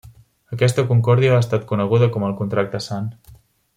Aquesta concòrdia ha estat coneguda com el Contracte Sant.